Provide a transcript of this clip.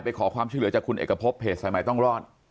ขอความช่วยเหลือจากคุณเอกพบเพจสายใหม่ต้องรอด